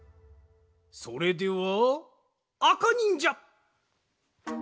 それではあかにんじゃ。